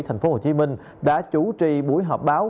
thành phố hồ chí minh đã chủ trì buổi họp báo